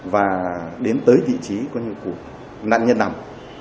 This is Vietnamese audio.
và đến tới vị trí của nạn nhân nằm